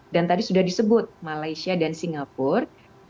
dan tadi sudah disebut malaysia dan singapura